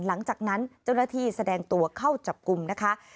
หลังจากนั้นเจ้าหน้าที่แสดงตัวเข้าจับกลุ่มนะคะ